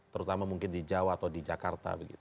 terutama mungkin di jawa atau di jakarta